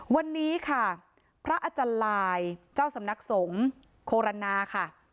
วันนี้ค่ะพระอาจารย์ลายเจ้าสำนักสงฆ์โครณาค่ะ